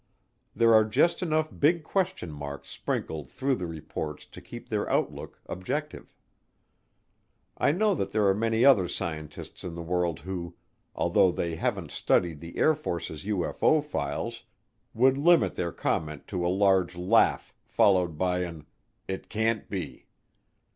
There are just enough big question marks sprinkled through the reports to keep their outlook objective. I know that there are many other scientists in the world who, although they haven't studied the Air Force's UFO files, would limit their comment to a large laugh followed by an "It can't be."